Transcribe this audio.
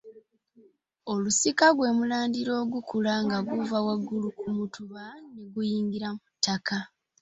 Olusika gwe mulandira ogukula nga guva waggulu ku mutuba ne guyingira mu ttaka.